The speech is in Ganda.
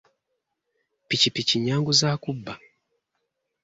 Piki piki nnyangu za kubba.